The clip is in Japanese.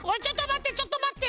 ちょっとまって！